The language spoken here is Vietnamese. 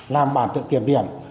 làm bản tự kiểm điểm